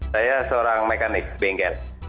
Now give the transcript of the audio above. saya seorang mekanik bengkel